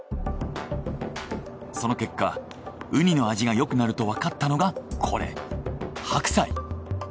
その結果ウニの味がよくなるとわかったのがこれ。